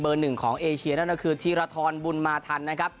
หนึ่งของเอเชียนั่นก็คือธีรทรบุญมาทันนะครับ